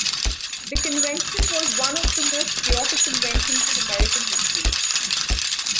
The convention was one of the most chaotic conventions in American history.